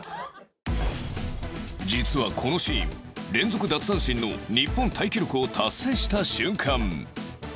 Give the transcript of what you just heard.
実はこのシーン連続奪三振の日本タイ記録を達成した瞬間